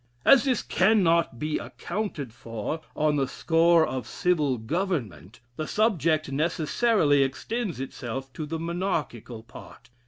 As this cannot be accounted for on the score of civil government, the subject necessarily extends itself to the monarchical part.....